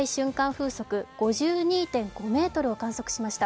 風速５２．５ｍを観測しました。